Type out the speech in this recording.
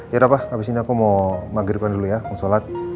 ya udah pak abis ini aku mau maghriban dulu ya mau sholat